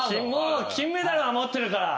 もう金メダルは持ってるから。